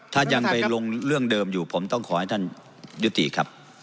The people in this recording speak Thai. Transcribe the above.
ถ้ายังไปลงเรื่องเดิมอยู่ผมต้องขอให้ท่านยุติครับ